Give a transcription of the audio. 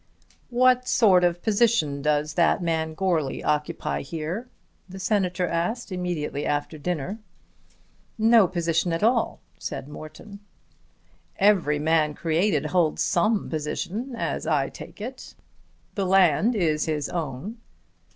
"What sort of position does that man Goarly occupy here?" the Senator asked immediately after dinner. "No position at all," said Morton. "Every man created holds some position as I take it. The land is his own."